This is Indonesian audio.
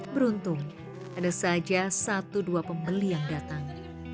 beruntung ada saja satu dua pembeli yang datang